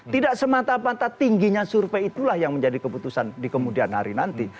tidak semata mata tingginya survei itulah yang menjadi keputusan di kemudian hari nanti